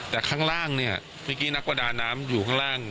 แต่ข้างล่างเนี่ยเมื่อกี้นักประดาน้ำอยู่ข้างล่าง